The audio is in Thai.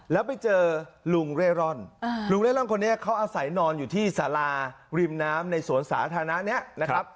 แล้วไปเจอลุงเร่ร่อนลุงเร่ร่อนคนนี้เขาอาศัยนอนอยู่ที่สาราริมน้ำในสวนสาธารณะนี้นะครับ